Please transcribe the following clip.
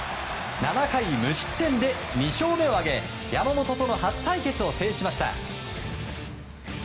７回無失点で２勝目を挙げ山本との初対決を制しました。